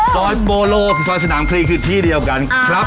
ซอยโปโลคือซอยสนามคลีคือที่เดียวกันครับ